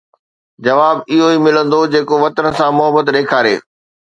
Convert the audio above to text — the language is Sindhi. جواب اهو ئي ملندو جيڪو وطن سان محبت ڏيکاري